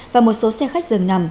và một số xe khách dường nằm